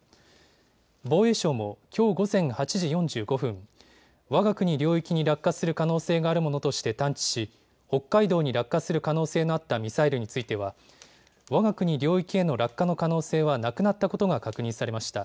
防衛省もきょう午前８時４５分、わが国領域に落下する可能性があるものとして探知し北海道に落下する可能性のあったミサイルについてはわが国領域への落下の可能性はなくなったことが確認されました。